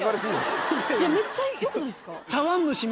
いやめっちゃよくないですか。